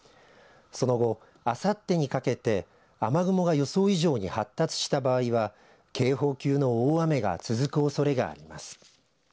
その後、あさってにかけて雨雲が予想以上に発達した場合は警報級の大雨が続くおそれがあります。